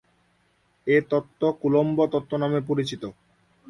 এ তত্ত্ব কুলম্ব তত্ত্ব নামে পরিচিত।